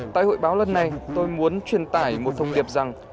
tại hội báo lần này tôi muốn truyền tải một thông điệp rằng